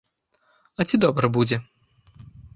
А ці добра будзе?